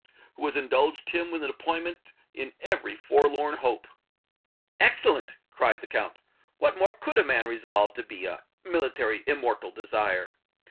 "Who has indulged him with an appointment in every forlorn hope!" "Excellent!" cried the Count. "What more could a man resolved to be a military immortal desire?